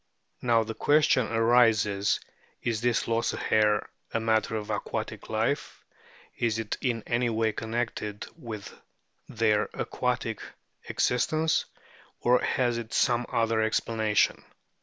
Now the question arises, Is this loss of hair a matter of aquatic life ; is it in any way connected with their aquatic existence ; or has it some other explanation